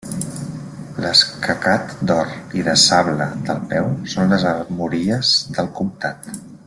L'escacat d'or i de sable del peu són les armories del comtat.